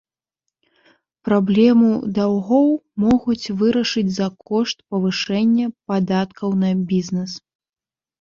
Праблему даўгоў могуць вырашыць за кошт павышэння падаткаў на бізнес.